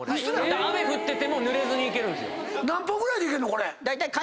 雨降っててもぬれずに行けるんですよ。